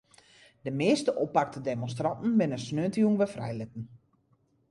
De measte oppakte demonstranten binne sneontejûn wer frijlitten.